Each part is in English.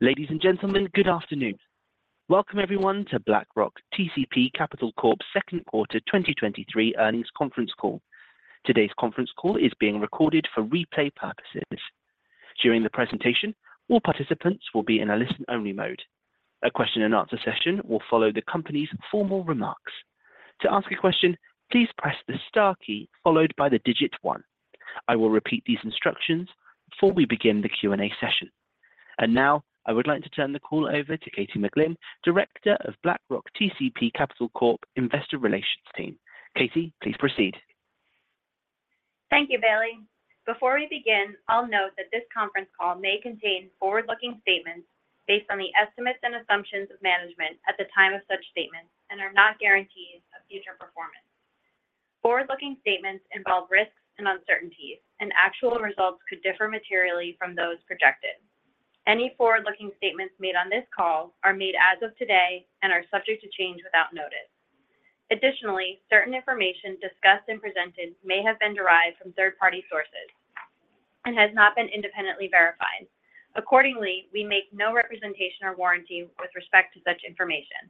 Ladies and gentlemen, good afternoon. Welcome everyone to BlackRock TCP Capital Corp.'s second quarter 2023 earnings conference call. Today's conference call is being recorded for replay purposes. During the presentation, all participants will be in a listen-only mode. A question and answer session will follow the company's formal remarks. To ask a question, please press the star key followed by the digit 1. I will repeat these instructions before we begin the Q&A session. Now, I would like to turn the call over to Katie McGlynn, Director, Investor Relations, BlackRock TCP Capital Corp. Katie, please proceed. Thank you, Bailey. Before we begin, I'll note that this conference call may contain forward-looking statements based on the estimates and assumptions of management at the time of such statements and are not guarantees of future performance. Forward-looking statements involve risks and uncertainties, actual results could differ materially from those projected. Any forward-looking statements made on this call are made as of today and are subject to change without notice. Additionally, certain information discussed and presented may have been derived from third-party sources and has not been independently verified. Accordingly, we make no representation or warranty with respect to such information.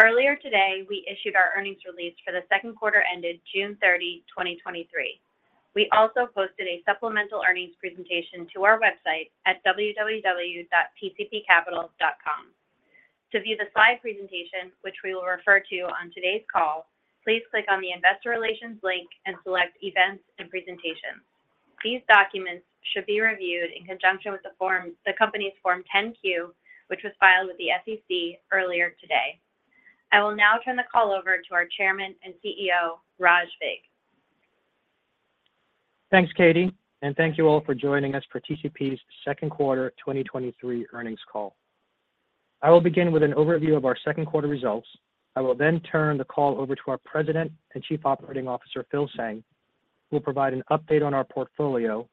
Earlier today, we issued our earnings release for the second quarter ended June 30, 2023. We also posted a supplemental earnings presentation to our website at www.tcpcapital.com. To view the slide presentation, which we will refer to on today's call, please click on the Investor Relations link and select Events and Presentations. These documents should be reviewed in conjunction with the company's Form 10-Q, which was filed with the SEC earlier today. I will now turn the call over to our Chairman and CEO, Raj Vig. Thanks, Katie, and thank you all for joining us for TCP's second quarter 2023 earnings call. I will begin with an overview of our second quarter results. I will then turn the call over to our President and Chief Operating Officer, Phil Tseng, who will provide an update on our portfolio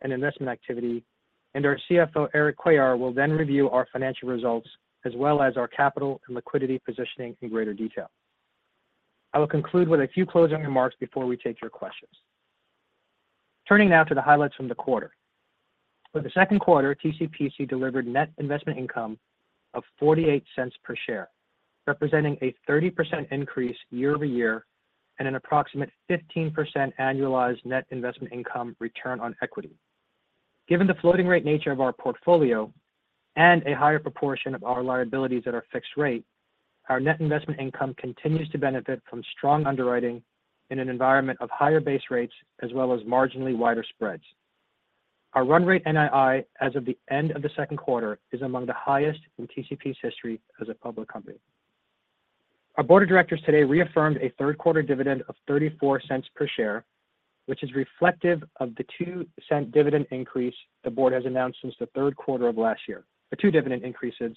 and investment activity, and our CFO, Eric Cuellar, will then review our financial results as well as our capital and liquidity positioning in greater detail. I will conclude with a few closing remarks before we take your questions. Turning now to the highlights from the quarter. For the second quarter, TCPC delivered net investment income of $0.48 per share, representing a 30% increase year-over-year and an approximate 15% annualized net investment income return on equity. Given the floating rate nature of our portfolio and a higher proportion of our liabilities at our fixed rate, our net investment income continues to benefit from strong underwriting in an environment of higher base rates as well as marginally wider spreads. Our run rate NII, as of the end of the second quarter, is among the highest in TCP's history as a public company. Our board of directors today reaffirmed a third quarter dividend of $0.34 per share, which is reflective of the $0.02 dividend increase the board has announced since the third quarter of last year. The 2 dividend increases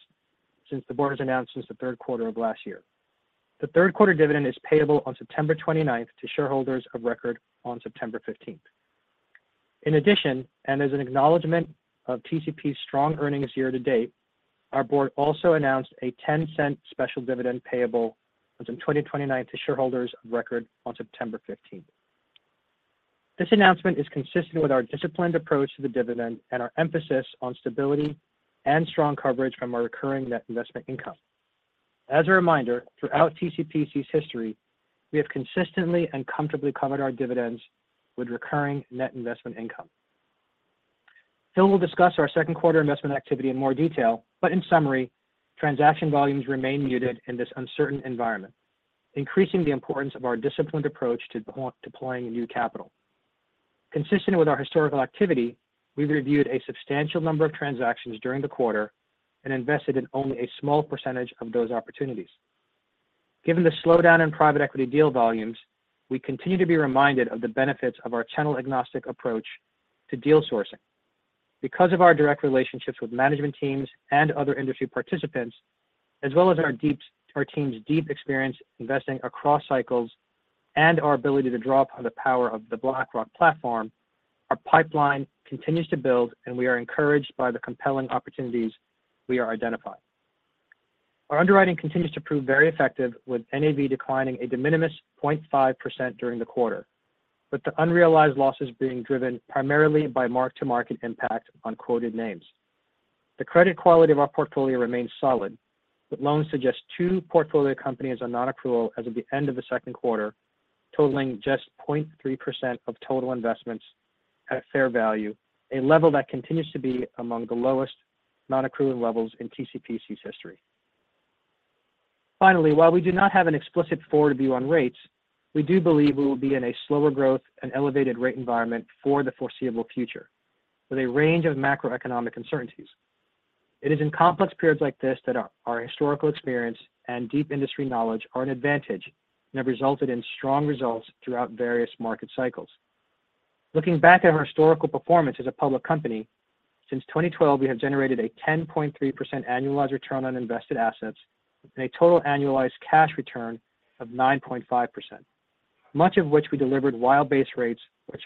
since the board has announced since the third quarter of last year. The third quarter dividend is payable on September 29th to shareholders of record on September 15th. In addition, and as an acknowledgment of TCP's strong earnings year to date, our board also announced a $0.10 special dividend payable on September 29th to shareholders of record on September 15th. This announcement is consistent with our disciplined approach to the dividend and our emphasis on stability and strong coverage from our recurring net investment income. As a reminder, throughout TCPC's history, we have consistently and comfortably covered our dividends with recurring net investment income. Phil will discuss our second quarter investment activity in more detail. In summary, transaction volumes remain muted in this uncertain environment, increasing the importance of our disciplined approach to deploying new capital. Consistent with our historical activity, we reviewed a substantial number of transactions during the quarter and invested in only a small percentage of those opportunities. Given the slowdown in private equity deal volumes, we continue to be reminded of the benefits of our channel agnostic approach to deal sourcing. Because of our direct relationships with management teams and other industry participants, as well as our deep, our team's deep experience investing across cycles and our ability to draw upon the power of the BlackRock platform, our pipeline continues to build, and we are encouraged by the compelling opportunities we are identifying. Our underwriting continues to prove very effective, with NAV declining a de minimis 0.5% during the quarter, but the unrealized losses being driven primarily by mark-to-market impact on quoted names. The credit quality of our portfolio remains solid, with loans to just 2 portfolio companies on nonaccrual as of the end of the second quarter, totaling just 0.3% of total investments at fair value, a level that continues to be among the lowest nonaccrual levels in TCPC's history. Finally, while we do not have an explicit forward view on rates, we do believe we will be in a slower growth and elevated rate environment for the foreseeable future, with a range of macroeconomic uncertainties. It is in complex periods like this that our historical experience and deep industry knowledge are an advantage and have resulted in strong results throughout various market cycles. Looking back at our historical performance as a public company, since 2012, we have generated a 10.3% annualized return on invested assets and a total annualized cash return of 9.5%, much of which we delivered while base rates, which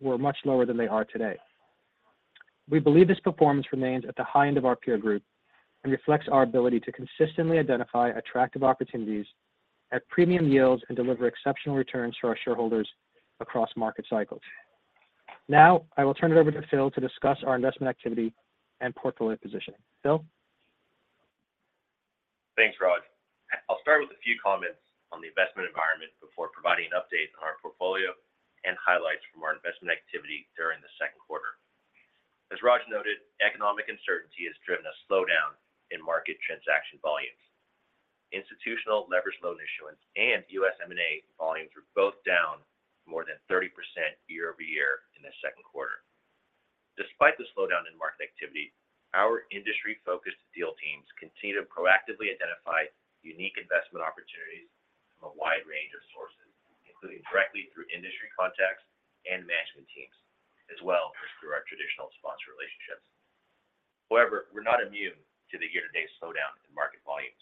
were much lower than they are today. We believe this performance remains at the high end of our peer group and reflects our ability to consistently identify attractive opportunities at premium yields and deliver exceptional returns for our shareholders across market cycles. I will turn it over to Phil to discuss our investment activity and portfolio positioning. Phil? Thanks, Raj. I'll start with a few comments on the investment environment before providing an update on our portfolio and highlights from our investment activity during the second quarter. As Raj noted, economic uncertainty has driven a slowdown in market transaction volumes. Institutional leveraged loan issuance and US M&A volumes were both down more than 30% year-over-year in the second quarter. Despite the slowdown in market activity, our industry-focused deal teams continue to proactively identify unique investment opportunities from a wide range of sources, including directly through industry contacts and management teams, as well as through our traditional sponsor relationships. However, we're not immune to the year-to-date slowdown in market volumes.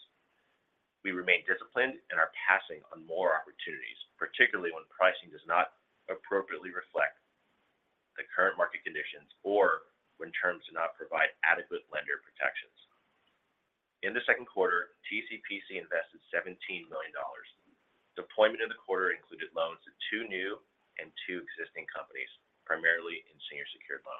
We remain disciplined and are passing on more opportunities, particularly when pricing does not appropriately reflect the current market conditions or when terms do not provide adequate lender protections. In the second quarter, TCPC invested $17 million. Deployment in the quarter included loans to two new and two existing companies, primarily in senior secured loans.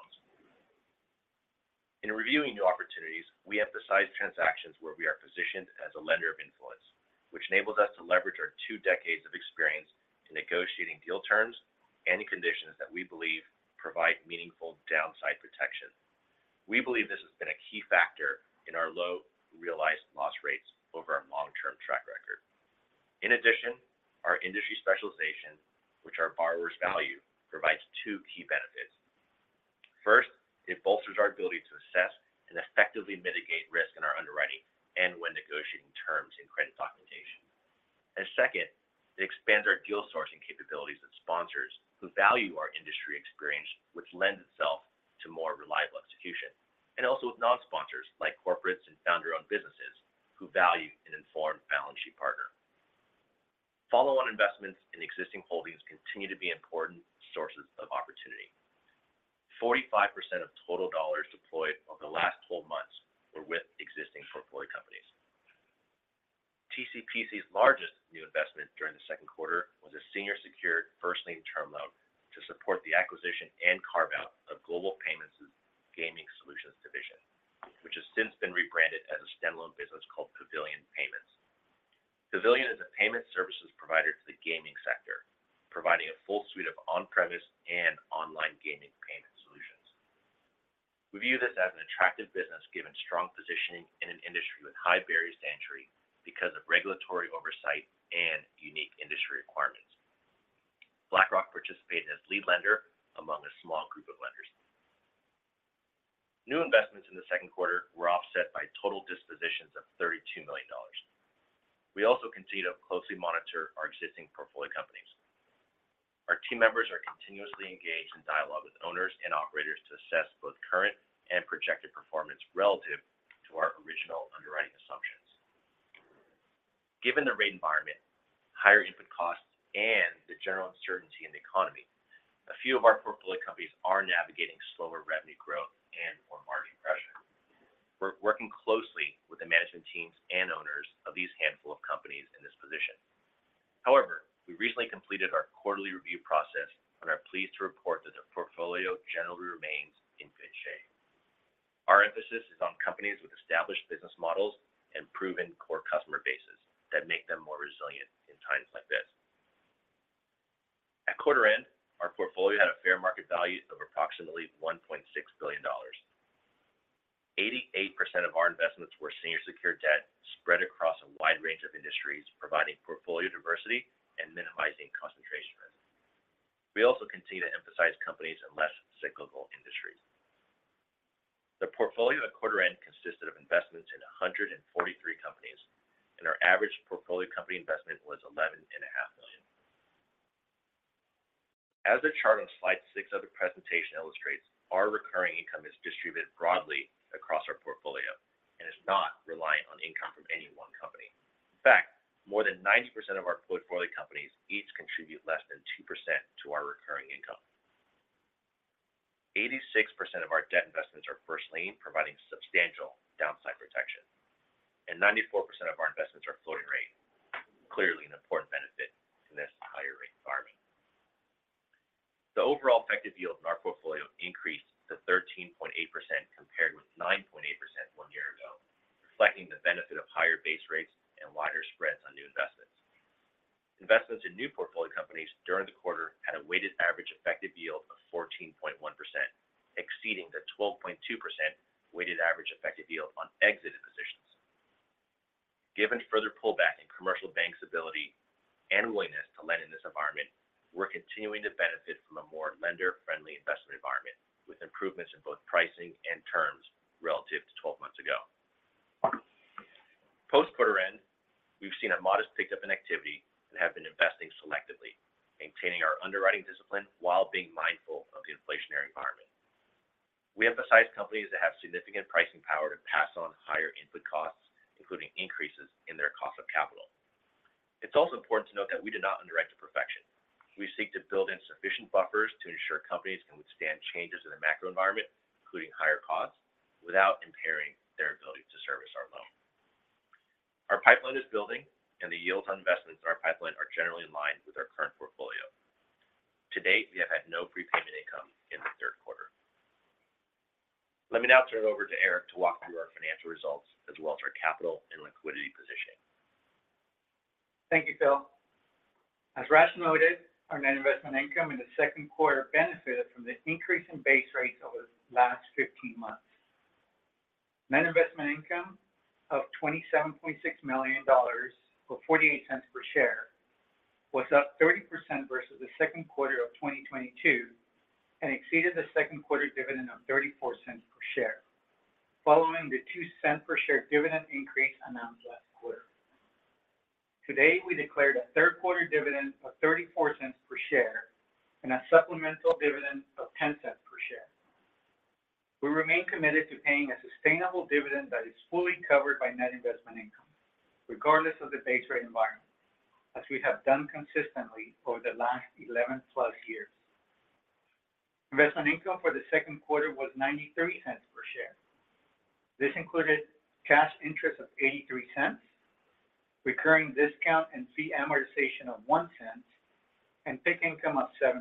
In reviewing new opportunities, we emphasize transactions where we are positioned as a lender of influence, which enables us to leverage our two decades of experience in negotiating deal terms and conditions that we believe provide meaningful downside protection. We believe this has been a key factor in our low realized loss rates over our long-term track record. In addition, our industry specialization, which our borrowers value, provides two key benefits. First, it bolsters our ability to assess and effectively mitigate risk in our underwriting and when negotiating terms in credit documentation. Second, it expands our deal sourcing capabilities and sponsors who value our industry experience, which lends itself to more reliable execution, and also with non-sponsors like corporates and founder-owned businesses who value an informed balance sheet partner. Follow-on investments in existing holdings continue to be important sources of opportunity. 45% of total dollars deployed over the last 12 months were with existing portfolio companies. TCPC's largest new investment during the second quarter was a senior secured first lien term loan to support the acquisition and carve out of Global Payments' Gaming Solutions division, which has since been rebranded as a standalone business called Pavilion Payments. Pavilion is a payment services provider to the gaming sector, providing a full suite of on-premise and online gaming payment solutions. We view this as an attractive business, given strong positioning in an industry with high barriers to entry because of regulatory oversight and unique industry requirements. BlackRock participated as lead lender among a small group of lenders. New investments in the second quarter were offset by total dispositions of $32 million. We also continue to closely monitor our existing portfolio companies. Our team members are continuously engaged in dialogue with owners and operators to assess both current and projected performance relative to our original underwriting assumptions. Given the rate environment, higher input costs, and the general uncertainty in the economy, a few of our portfolio companies are navigating slower revenue growth and more margin pressure. We're working closely with the management teams and owners of these handful of companies in this position. However, we recently completed our quarterly review process and are pleased to report that the portfolio generally remains in good shape. Our emphasis is on companies with established business models and proven core customer bases that make them more resilient in times like this. At quarter end, our portfolio had a fair market value of approximately $1.6 billion. 88% of our investments were senior secured debt spread across a wide range of industries, providing portfolio diversity and minimizing concentration risk. We also continue to emphasize companies in less cyclical industries. The portfolio at quarter end consisted of investments in 143 companies, and our average portfolio company investment was $11.5 million. As the chart on slide 6 of the presentation illustrates, our recurring income is distributed broadly across our portfolio and is not reliant on income from any one company. In fact, more than 90% of our portfolio companies each contribute less than 2% to our recurring income. 86% of our debt investments are first lien, providing substantial downside protection, and 94% of our investments are floating rate, clearly an important benefit in this higher rate environment. The overall effective yield on our portfolio increased to 13.8%, compared with 9.8% one year ago, reflecting the benefit of higher base rates and wider spreads on new investments. Investments in new portfolio companies during the quarter had a weighted average effective yield of 14.1%, exceeding the 12.2% weighted average effective yield on exited positions. Given further pullback in commercial banks' ability and willingness to lend in this environment, we're continuing to benefit from a more lender-friendly investment environment, with improvements in both pricing and terms relative to 12 months ago. Post-quarter end, we've seen a modest pickup in activity and have been investing selectively, maintaining our underwriting discipline while being mindful of the inflationary environment. We emphasize companies that have significant pricing power to pass on higher input costs, including increases in their cost of capital. It's also important to note that we do not underwrite to perfection. We seek to build in sufficient buffers to ensure companies can withstand changes in the macro environment, including higher costs, without impairing their ability to service our loan. Pipeline is building, and the yields on investments in our pipeline are generally in line with our current portfolio. To date, we have had no prepayment income in the third quarter. Let me now turn it over to Eric to walk through our financial results, as well as our capital and liquidity position. Thank you, Phil. As Raj noted, our net investment income in the second quarter benefited from the increase in base rates over the last 15 months. Net investment income of $27.6 million, or $0.48 per share, was up 30% versus the second quarter of 2022 and exceeded the second quarter dividend of $0.34 per share, following the $0.02 per share dividend increase announced last quarter. Today, we declared a third quarter dividend of $0.34 per share and a supplemental dividend of $0.10 per share. We remain committed to paying a sustainable dividend that is fully covered by net investment income, regardless of the base rate environment, as we have done consistently over the last 11-plus years. Investment income for the second quarter was $0.93 per share. This included cash interest of $0.83, recurring discount and fee amortization of $0.01, and PIK income of $0.07.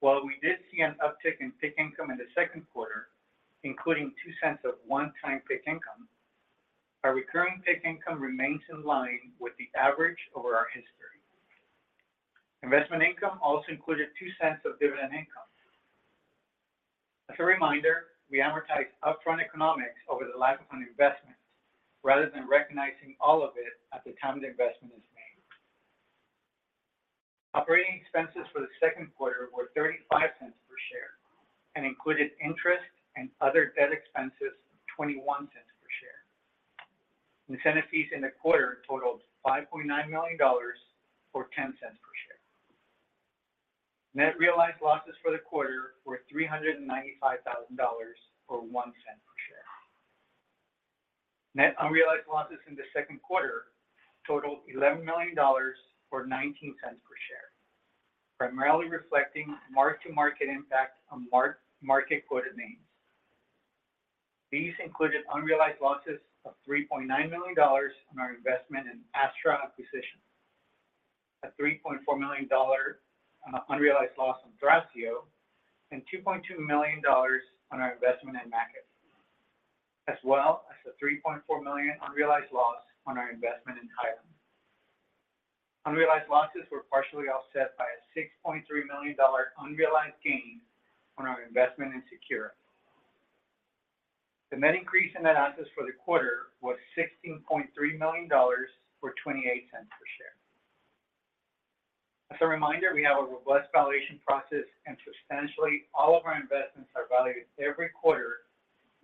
While we did see an uptick in PIK income in the second quarter, including $0.02 of one-time PIK income, our recurring PIK income remains in line with the average over our history. Investment income also included $0.02 of dividend income. As a reminder, we amortize upfront economics over the life of an investment, rather than recognizing all of it at the time the investment is made. Operating expenses for the second quarter were $0.35 per share and included interest and other debt expenses of $0.21 per share. Incentive fees in the quarter totaled $5.9 million, or $0.10 per share. Net realized losses for the quarter were $395,000, or $0.01 per share. Net unrealized losses in the second quarter totaled $11 million, or $0.19 per share, primarily reflecting mark-to-market impact on market quoted names. These included unrealized losses of $3.9 million on our investment in Astra acquisition, a $3.4 million unrealized loss on Thrasio, and $2.2 million on our investment in Mackett, as well as a $3.4 million unrealized loss on our investment in Hyland. Unrealized losses were partially offset by a $6.3 million unrealized gain on our investment in Secure. The net increase in net assets for the quarter was $16.3 million, or $0.28 per share. As a reminder, we have a robust valuation process, and substantially all of our investments are valued every quarter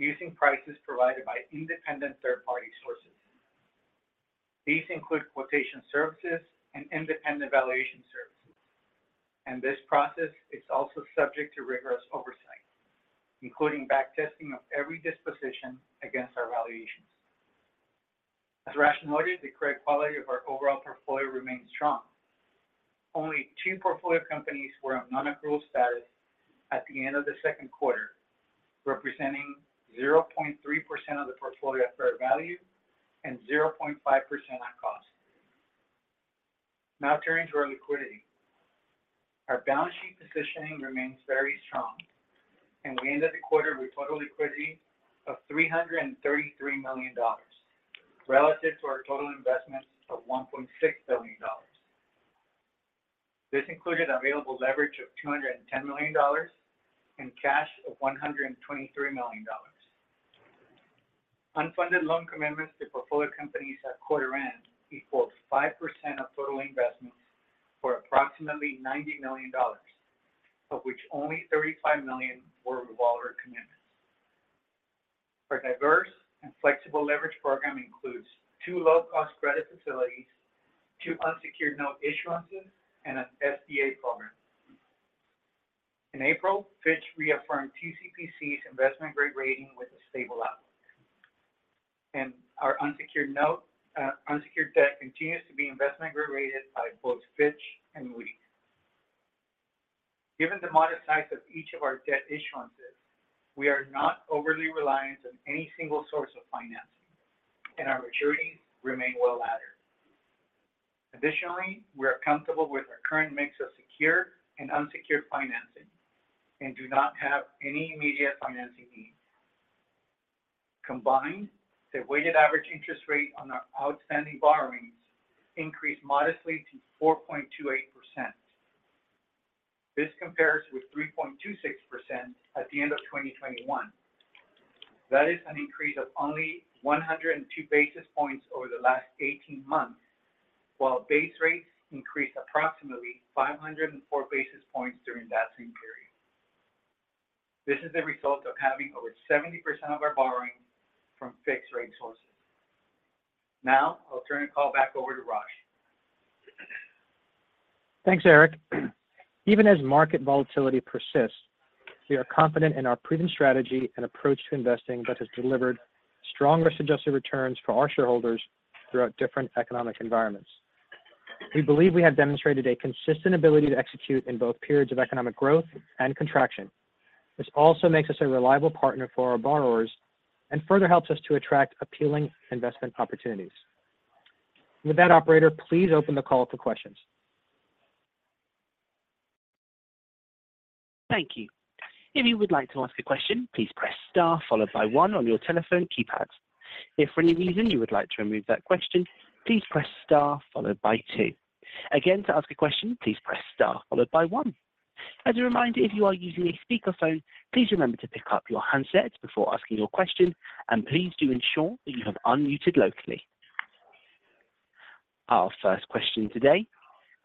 using prices provided by independent third-party sources. These include quotation services and independent valuation services. This process is also subject to rigorous oversight, including back testing of every disposition against our valuations. As Raj noted, the credit quality of our overall portfolio remains strong. Only two portfolio companies were of non-accrual status at the end of the second quarter, representing 0.3% of the portfolio at fair value and 0.5% at cost. Now turning to our liquidity. Our balance sheet positioning remains very strong. We end the quarter with total liquidity of $333 million relative to our total investments of $1.6 billion. This included available leverage of $210 million and cash of $123 million. Unfunded loan commitments to portfolio companies at quarter end equals 5% of total investments, or approximately $90 million, of which only $35 million were revolver commitments. Our diverse and flexible leverage program includes 2 low-cost credit facilities, 2 unsecured note issuances, and an SBA program. In April, Fitch reaffirmed TCPC's investment-grade rating with a stable outlook, and our unsecured note, unsecured debt continues to be investment-grade rated by both Fitch and Moody's. Given the moderate size of each of our debt issuances, we are not overly reliant on any single source of financing, and our maturities remain well-laddered. Additionally, we are comfortable with our current mix of secure and unsecured financing and do not have any immediate financing needs. Combined, the weighted average interest rate on our outstanding borrowings increased modestly to 4.28%. This compares with 3.26% at the end of 2021. That is an increase of only 102 basis points over the last 18 months, while base rates increased approximately 504 basis points during that same period. This is the result of having over 70% of our borrowing from fixed-rate sources. Now I'll turn the call back over to Raj. Thanks, Eric. Even as market volatility persists, we are confident in our proven strategy and approach to investing that has delivered strong risk-adjusted returns for our shareholders throughout different economic environments... We believe we have demonstrated a consistent ability to execute in both periods of economic growth and contraction. This also makes us a reliable partner for our borrowers and further helps us to attract appealing investment opportunities. With that, operator, please open the call for questions. Thank you. If you would like to ask a question, please press star followed by one on your telephone keypad. If for any reason you would like to remove that question, please press star followed by two. Again, to ask a question, please press star followed by one. As a reminder, if you are using a speakerphone, please remember to pick up your handset before asking your question, and please do ensure that you have unmuted locally. Our first question today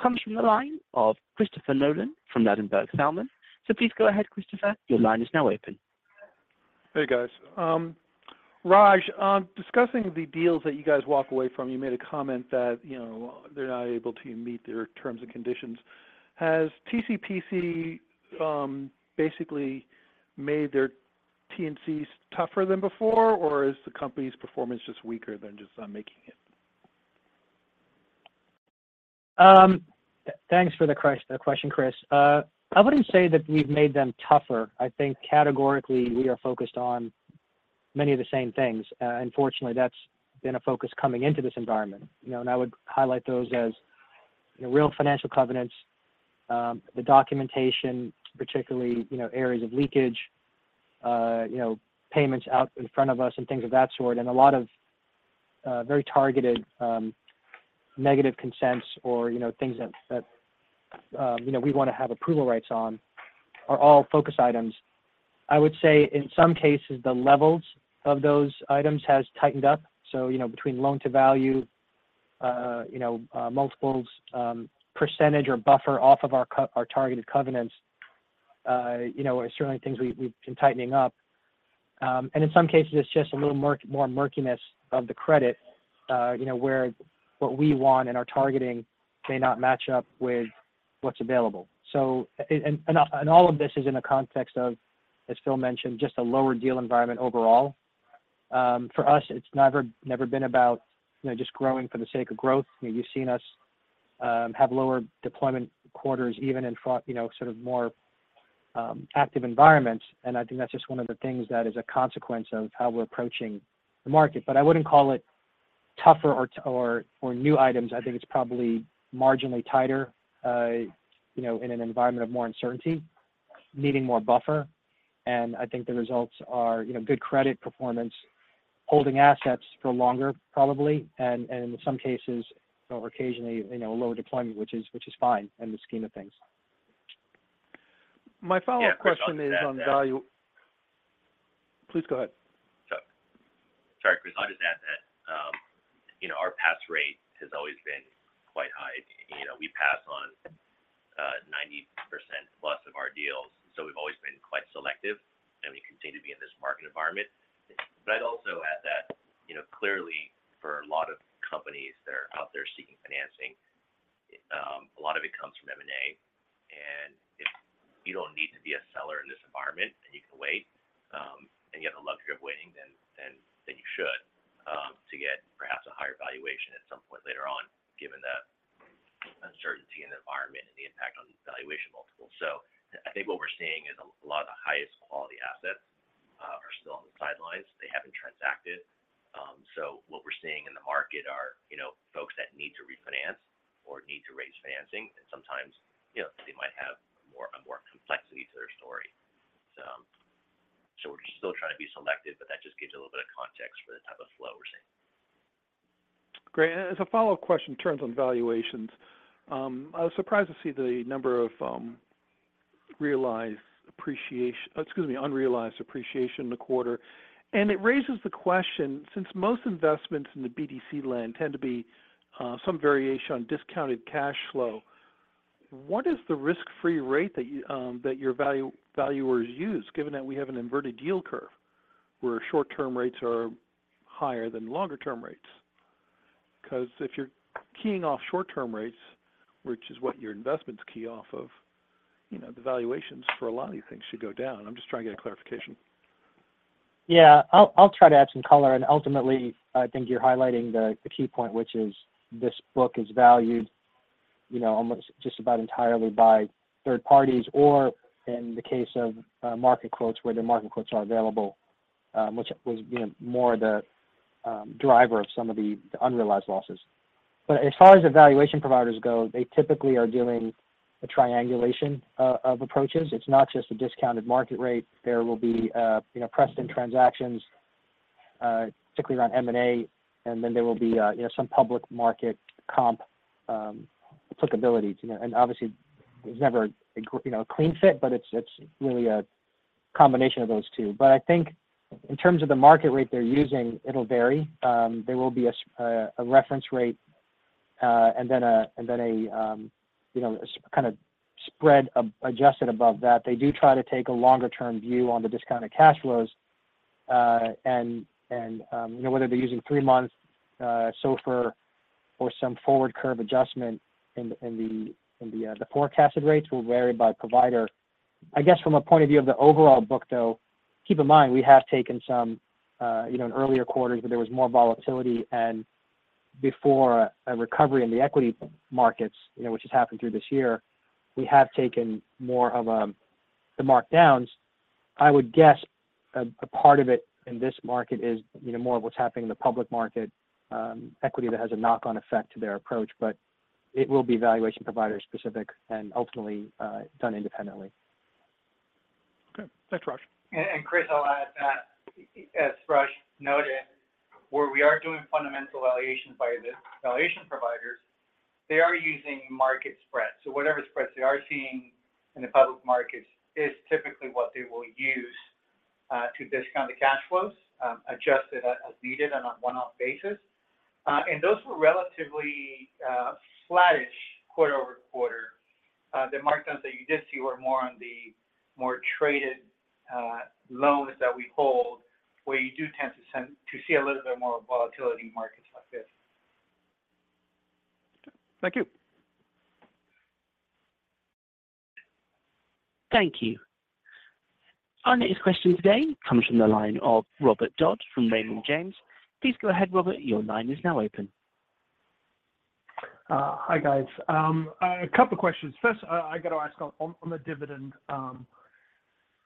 comes from the line of Christopher Nolan from Ladenburg Thalmann. Please go ahead, Christopher. Your line is now open. Hey, guys. Raj, discussing the deals that you guys walk away from, you made a comment that, you know, they're not able to meet their terms and conditions. Has TCPC basically made their T&Cs tougher than before, or is the company's performance just weaker than just making it? Thanks for the question, Chris. I wouldn't say that we've made them tougher. I think categorically we are focused on many of the same things. Unfortunately, that's been a focus coming into this environment. You know, I would highlight those as, you know, real financial covenants, the documentation, particularly, you know, areas of leakage, you know, payments out in front of us and things of that sort, and a lot of very targeted negative consents or, you know, things that, that, you know, we wanna have approval rights on, are all focus items. I would say in some cases, the levels of those items has tightened up. You know, between loan to value, you know, multiples, percentage or buffer off of our targeted covenants, you know, are certainly things we, we've been tightening up. In some cases, it's just a little more murkiness of the credit, you know, where what we want and are targeting may not match up with what's available. And, and, and all of this is in a context of, as Phil mentioned, just a lower deal environment overall. For us, it's never, never been about, you know, just growing for the sake of growth. You've seen us have lower deployment quarters, even in you know, sort of more active environments, and I think that's just one of the things that is a consequence of how we're approaching the market. I wouldn't call it tougher or new items. I think it's probably marginally tighter, you know, in an environment of more uncertainty, needing more buffer. I think the results are, you know, good credit performance, holding assets for longer, probably, and, and in some cases, or occasionally, you know, lower deployment, which is, which is fine in the scheme of things. My follow-up question is on value- Yeah. Please go ahead. Sure. Sorry, Chris, I'd just add that, you know, our pass rate has always been quite high. You know, we pass on 90% plus of our deals, so we've always been quite selective, and we continue to be in this market environment. I'd also add that, you know, clearly for a lot of companies that are out there seeking financing, a lot of it comes from M&A. If you don't need to be a seller in this environment, and you can wait, and you have the luxury of waiting, then, then, then you should, to get perhaps a higher valuation at some point later on, given the uncertainty in the environment and the impact on the valuation multiples. I think what we're seeing is a lot of the highest quality assets, are still on the sidelines. They haven't transacted. What we're seeing in the market are, you know, folks that need to refinance or need to raise financing, and sometimes, you know, they might have more, a more complexity to their story. We're just still trying to be selective, but that just gives you a little bit of context for the type of flow we're seeing. Great. As a follow-up question in terms on valuations, I was surprised to see the number of unrealized appreciation in the quarter, and it raises the question, since most investments in the BDC land tend to be some variation on discounted cash flow, what is the risk-free rate that you, that your valuers use, given that we have an inverted yield curve, where short-term rates are higher than longer-term rates? 'Cause if you're keying off short-term rates, which is what your investments key off of, you know, the valuations for a lot of these things should go down. I'm just trying to get a clarification. Yeah. I'll, I'll try to add some color. Ultimately, I think you're highlighting the key point, which is this book is valued, you know, almost just about entirely by third parties, or in the case of market quotes, where the market quotes are available, which was, you know, more the driver of some of the unrealized losses. As far as the valuation providers go, they typically are doing a triangulation of approaches. It's not just a discounted market rate. There will be, you know, precedent transactions, particularly around M&A, and then there will be, you know, some public market comp applicabilities. You know, and obviously, there's never a, you know, a clean fit, but it's really a combination of those two. I think in terms of the market rate they're using, it'll vary. There will be a reference rate, and then a, and then a, you know, spread adjusted above that. They do try to take a longer-term view on the discounted cash flows, you know, whether they're using three months SOFR or some forward curve adjustment in the, in the, the forecasted rates will vary by provider. I guess from a point of view of the overall book, though, keep in mind, we have taken some, you know, in earlier quarters, where there was more volatility and before a recovery in the equity markets, you know, which has happened through this year, we have taken more of the markdowns. I would guess a, a part of it in this market is, you know, more of what's happening in the public market, equity that has a knock-on effect to their approach, but it will be valuation provider specific and ultimately done independently. Okay. Thanks, Raj. Chris, I'll add that as Rush noted, where we are doing fundamental valuations by the valuation providers, they are using market spreads. Whatever spreads they are seeing in the public markets is typically what they will use to discount the cash flows, adjusted as needed on a one-off basis. And those were relatively flattish quarter-over-quarter. The markdowns that you did see were more on the more traded loans that we hold, where you do tend to see a little bit more volatility in markets like this. Thank you. Thank you. Our next question today comes from the line of Robert Dodd from Raymond James. Please go ahead, Robert. Your line is now open. Hi, guys. A couple questions. First, I got to ask on, on, on the dividend.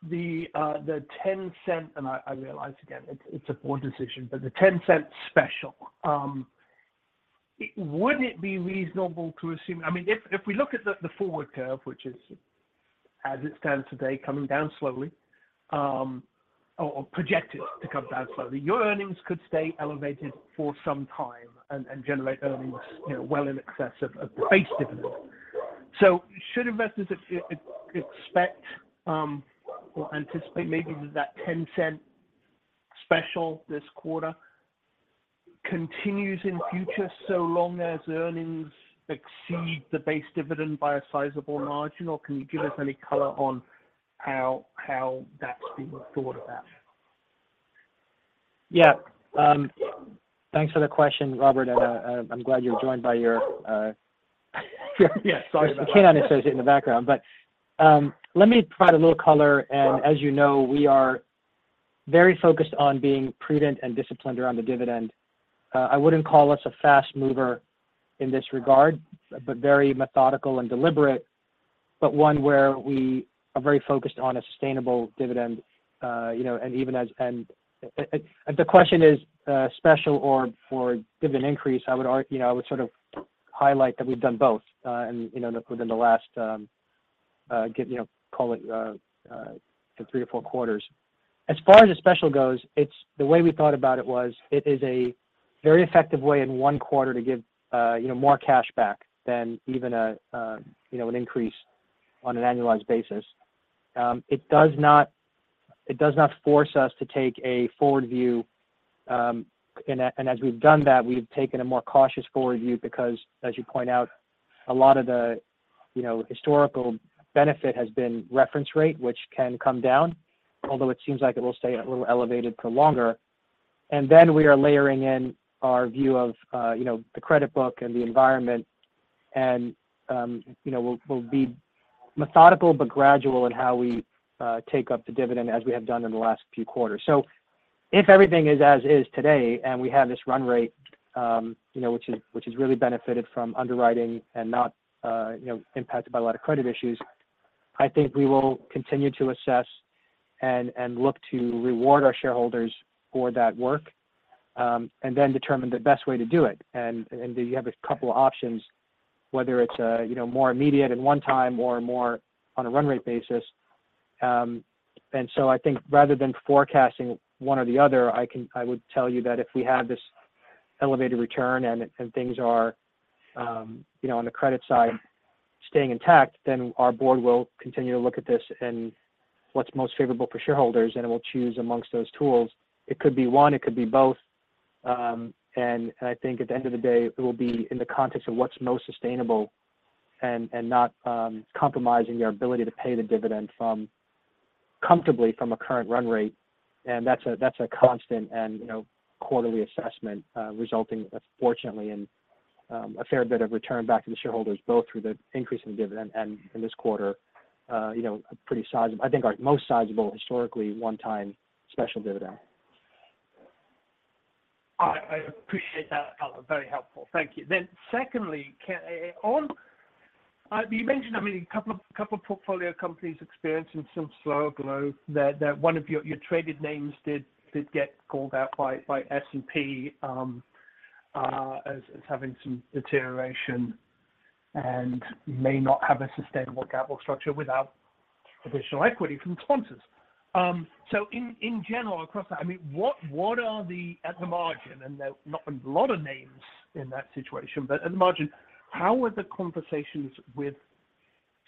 The, the $0.10, and I, I realize again, it's, it's a board decision, but the $0.10 special. Wouldn't it be reasonable to assume... I mean, if, if we look at the, the forward curve, which is, as it stands today, coming down slowly, or, or projected to come down slowly, your earnings could stay elevated for some time and, and generate earnings, you know, well in excess of, of the base dividend. Should investors ex-ex-expect, or anticipate maybe that $0.10 special this quarter continues in future, so long as earnings exceed the base dividend by a sizable margin? Can you give us any color on how, how that's being thought about? Yeah. Thanks for the question, Robert. I'm glad you're joined by your... Yeah, sorry- Your canine associate in the background. Let me provide a little color. As you know, we are very focused on being prudent and disciplined around the dividend. I wouldn't call us a fast mover in this regard, but very methodical and deliberate, but one where we are very focused on a sustainable dividend. You know, and even as-- and, a-a-and the question is, special or for dividend increase, I would arg... You know, I would sort of highlight that we've done both, and, you know, within the last, give, you know, call it, three or four quarters. As far as the special goes, it's the way we thought about it was, it is a very effective way in one quarter to give, you know, more cash back than even a, you know, an increase on an annualized basis. It does not, it does not force us to take a forward view, and, and as we've done that, we've taken a more cautious forward view, because, as you point out, a lot of the, you know, historical benefit has been reference rate, which can come down, although it seems like it will stay a little elevated for longer. Then we are layering in our view of, you know, the credit book and the environment. You know, we'll, we'll be methodical but gradual in how we take up the dividend as we have done in the last few quarters. If everything is as is today, and we have this run rate, you know, which is, which has really benefited from underwriting and not, you know, impacted by a lot of credit issues, I think we will continue to assess and, and look to reward our shareholders for that work, and then determine the best way to do it. You have a couple of options, whether it's a, you know, more immediate and one time or more on a run rate basis. So I think rather than forecasting one or the other, I would tell you that if we have this elevated return and, and things are, you know, on the credit side, staying intact, then our board will continue to look at this and what's most favorable for shareholders, and it will choose amongst those tools. It could be one, it could be both. I think at the end of the day, it will be in the context of what's most sustainable and not compromising our ability to pay the dividend from comfortably from a current run rate. That's a, that's a constant and, you know, quarterly assessment, resulting, fortunately, in a fair bit of return back to the shareholders, both through the increase in dividend and in this quarter, you know, a pretty sizable... I think our most sizable, historically, one-time special dividend. I, I appreciate that, Calvin. Very helpful. Thank you. Secondly, on, you mentioned, I mean, a couple of, couple of portfolio companies experiencing some slower growth, that, that one of your, your traded names did, did get called out by, by S&P, as, as having some deterioration and may not have a sustainable capital structure without additional equity from sponsors. In general, across that, I mean, what, what are the, at the margin, and there are not a lot of names in that situation, but at the margin, how are the conversations with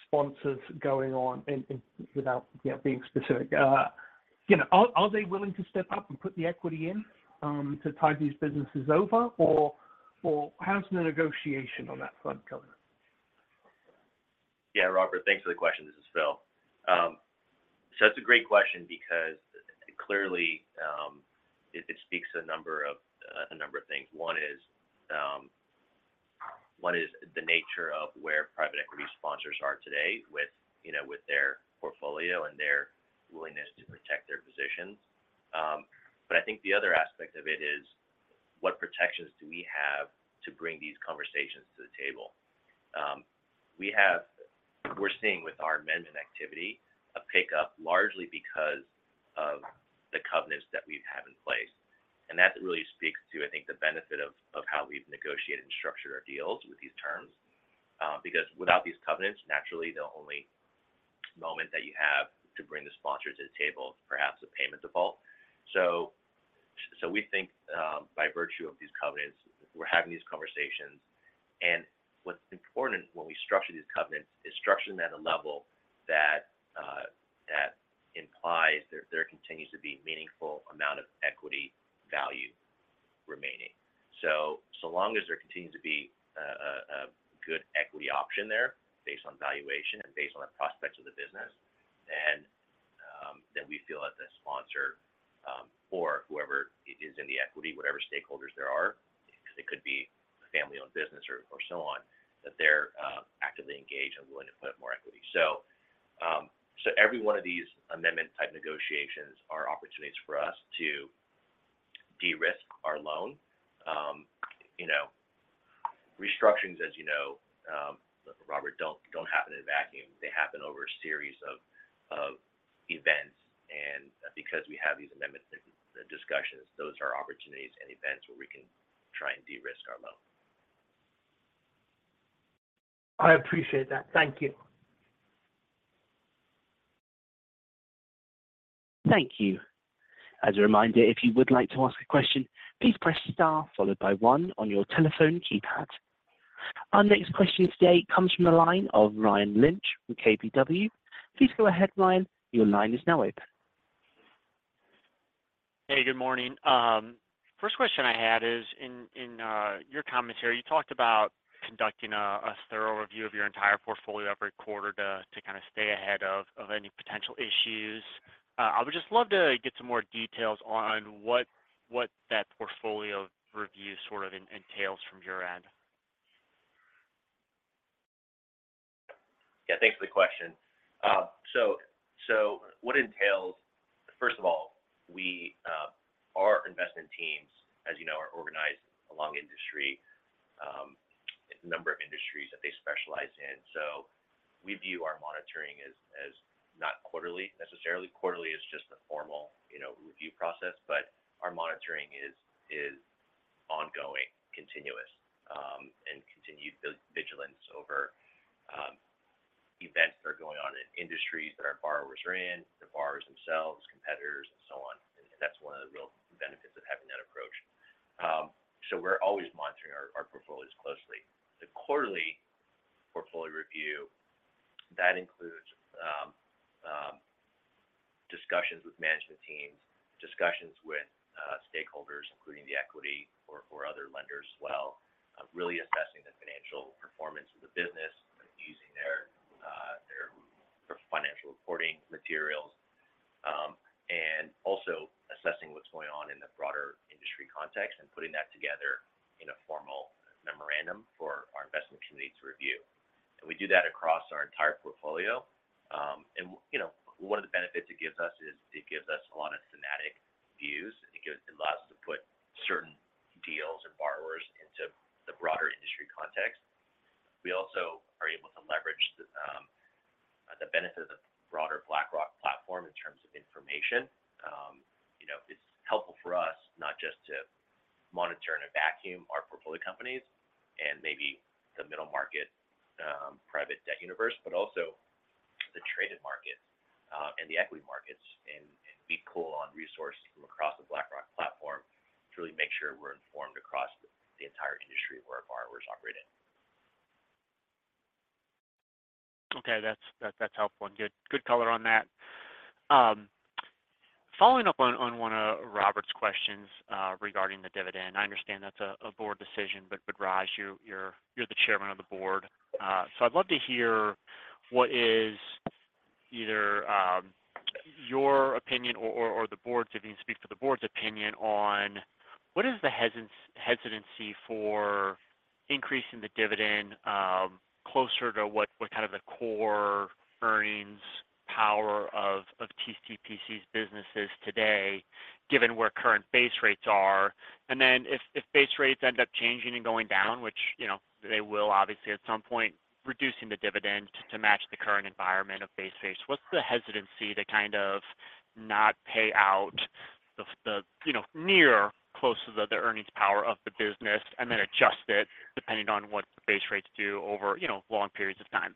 sponsors going on and, and without, you know, being specific? You know, are, are they willing to step up and put the equity in, to tide these businesses over, or, or how's the negotiation on that front going? Yeah, Robert, thanks for the question. This is Phil. That's a great question because clearly, it, it speaks to a number of, a number of things. One is-... one is the nature of where private equity sponsors are today with, you know, with their portfolio and their willingness to protect their positions. I think the other aspect of it is what protections do we have to bring these conversations to the table? We're seeing with our amendment activity, a pickup, largely because of the covenants that we have in place. That really speaks to, I think, the benefit of, of how we've negotiated and structured our deals with these terms. Because without these covenants, naturally, the only moment that you have to bring the sponsors to the table, perhaps a payment default. We think, by virtue of these covenants, we're having these conversations, and what's important when we structure these covenants is structure them at a level that implies there, there continues to be meaningful amount of equity value remaining. Long as there continues to be a, a, a good equity option there based on valuation and based on the prospects of the business, then, then we feel that the sponsor, or whoever it is in the equity, whatever stakeholders there are, because it could be a family-owned business or, or so on, that they're actively engaged and willing to put more equity. Every one of these amendment-type negotiations are opportunities for us to de-risk our loan. You know, restructurings, as you know, Robert, don't, don't happen in a vacuum. They happen over a series of events, and because we have these amendments and discussions, those are opportunities and events where we can try and de-risk our loan. I appreciate that. Thank you. Thank you. As a reminder, if you would like to ask a question, please press star followed by 1 on your telephone keypad. Our next question today comes from the line of Ryan Lynch from KBW. Please go ahead, Ryan, your line is now open. Hey, good morning. First question I had is, in, in your commentary, you talked about conducting a, a thorough review of your entire portfolio every quarter to, to kind of stay ahead of, of any potential issues. I would just love to get some more details on what, what that portfolio review sort of en- entails from your end. Yeah, thanks for the question. First of all, we, our investment teams, as you know, are organized along industry, number of industries that they specialize in. We view our monitoring as, as not quarterly, necessarily. Quarterly is just a formal, you know, review process, but our monitoring is, is ongoing, continuous, and continued vigilance over events that are going on in industries that our borrowers are in, the borrowers themselves, competitors, and so on. That's one of the real benefits of having that approach. We're always monitoring our, our portfolios closely. The quarterly portfolio review, that includes discussions with management teams, discussions with stakeholders, including the equity or for other lenders as well, really assessing the financial performance of the business, using their financial reporting materials, and also assessing what's going on in the broader industry context and putting that together in a formal memorandum for our investment committee to review. We do that across our entire portfolio. You know, one of the benefits it gives us is it gives us a lot of synthetic views, and it allows us to put certain deals or borrowers into the broader industry context. We also are able to leverage the benefit of the broader BlackRock platform in terms of information. You know, it's helpful for us not just to monitor in a vacuum our portfolio companies and maybe the middle market, private debt universe, but also the traded markets, and the equity markets, and be pull on resources from across the BlackRock platform to really make sure we're informed across the entire industry where our borrowers operate in. Okay. That's helpful and good color on that. Following up on one of Robert's questions regarding the dividend, I understand that's a Board decision, but Raj, you're the Chairman of the Board. I'd love to hear what is either your opinion or the Board's, if you can speak for the Board's opinion on what is the hesitancy for increasing the dividend closer to what kind of the core earnings power of TCPC's business is today, given where current base rates are? Then if base rates end up changing and going down, which, you know, they will obviously at some point, reducing the dividend to match the current environment of base rates, what's the hesitancy to kind of not pay out the, you know, near close to the earnings power of the business and then adjust it depending on what the base rates do over, you know, long periods of time?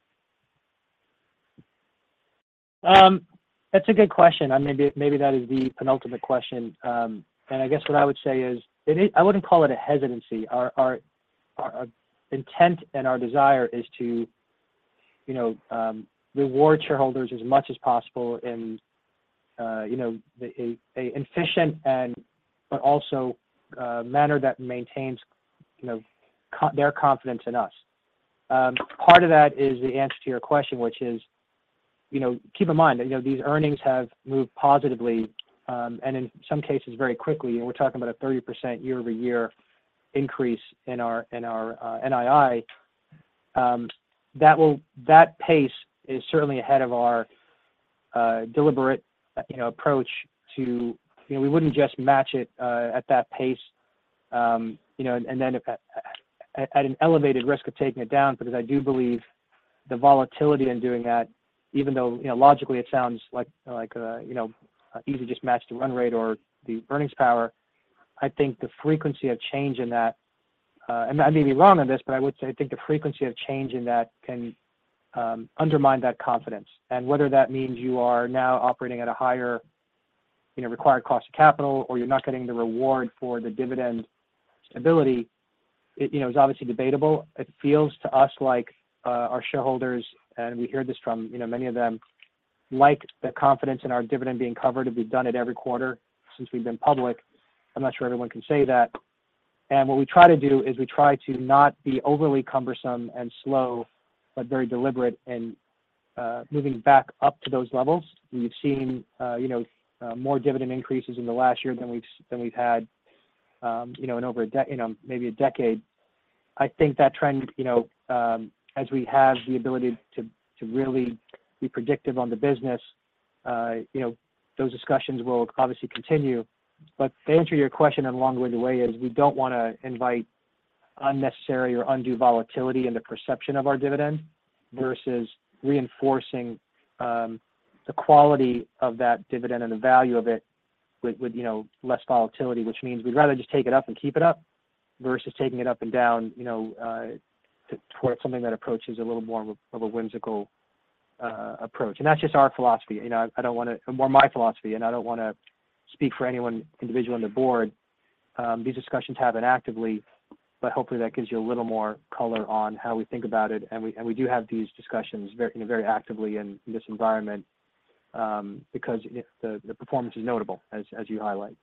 That's a good question, and maybe, maybe that is the penultimate question. I guess what I would say is, it is I wouldn't call it a hesitancy. Our, our, our intent and our desire is to, you know, reward shareholders as much as possible in, you know, a efficient and, but also a manner that maintains, you know, their confidence in us. Part of that is the answer to your question, which is, you know, keep in mind that, you know, these earnings have moved positively, and in some cases very quickly, and we're talking about a 30% year-over-year increase in our, in our NII. That will, that pace is certainly ahead of our deliberate, you know, approach to, you know, we wouldn't just match it at that pace, you know, and then if at, at, at an elevated risk of taking it down, because I do believe the volatility in doing that, even though, you know, logically, it sounds like, like, you know, easy just match the run rate or the earnings power. I think the frequency of change in that, and I may be wrong on this, but I would say I think the frequency of change in that can undermine that confidence. Whether that means you are now operating at a higher, you know, required cost of capital, or you're not getting the reward for the dividend stability, it, you know, is obviously debatable. It feels to us like our shareholders, and we hear this from, you know, many of them, like the confidence in our dividend being covered. We've done it every quarter since we've been public. I'm not sure everyone can say that. What we try to do is we try to not be overly cumbersome and slow, but very deliberate and moving back up to those levels. We've seen, you know, more dividend increases in the last year than we've had, you know, in over a you know, maybe a decade. I think that trend, you know, as we have the ability to, to really be predictive on the business, you know, those discussions will obviously continue. To answer your question in a long-winded way is, we don't want to invite unnecessary or undue volatility in the perception of our dividend versus reinforcing the quality of that dividend and the value of it with, with, you know, less volatility, which means we'd rather just take it up and keep it up versus taking it up and down, you know, to towards something that approaches a little more of a, of a whimsical approach. That's just our philosophy. You know, I, I don't want to... Or my philosophy, and I don't want to speak for anyone, individual on the board. These discussions happen actively, but hopefully, that gives you a little more color on how we think about it. We, and we do have these discussions very, you know, very actively in this environment, because if the, the performance is notable, as, as you highlight.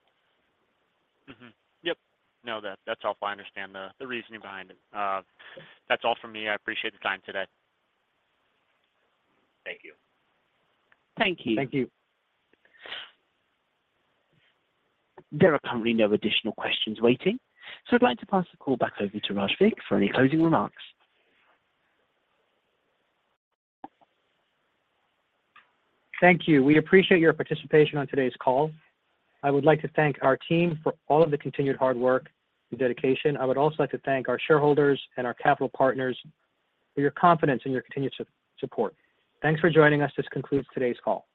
Mm-hmm. Yep. No, that, that's all I understand the, the reasoning behind it. That's all for me. I appreciate the time today. Thank you. Thank you. Thank you. There are currently no additional questions waiting, so I'd like to pass the call back over to Raj Vig for any closing remarks. Thank you. We appreciate your participation on today's call. I would like to thank our team for all of the continued hard work and dedication. I would also like to thank our shareholders and our capital partners for your confidence and your continued support. Thanks for joining us. This concludes today's call.